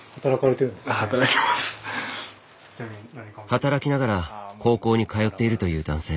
働きながら高校に通っているという男性。